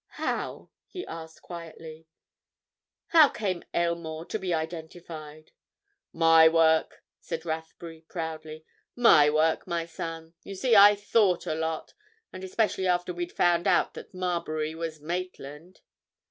"How?" he asked quietly. "How came Aylmore to be identified?" "My work," said Rathbury proudly. "My work, my son. You see, I thought a lot. And especially after we'd found out that Marbury was Maitland."